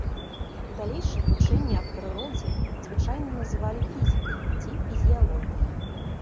У далейшым вучэнне аб прыродзе звычайна называлі фізікай ці фізіялогіяй.